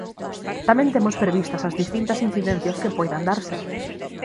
Tamén temos previstas as distintas incidencias que poidan darse.